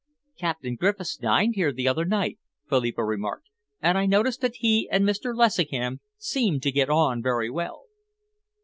"Captain Griffiths dined here the other night," Philippa remarked, "and I noticed that he and Mr. Lessingham seemed to get on very well."